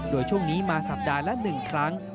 โดยช่วงนี้มาสัปดาห์ละ๑ครั้ง